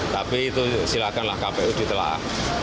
tapi itu silakanlah kpu ditelah